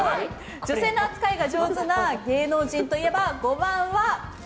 女性の扱いが上手な芸能人といえば？